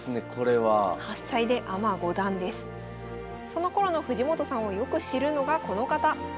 そのころの藤本さんをよく知るのがこの方。